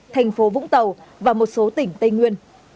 thành phố vũng tàu và một số tỉnh tây nguyên